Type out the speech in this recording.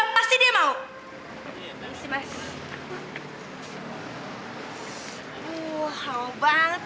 kau pulih semua orang orang ini